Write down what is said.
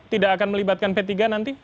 tidak akan melibatkan p tiga nanti